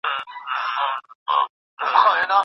زما مي په تڼاکو ترمنزله باور نه کېدی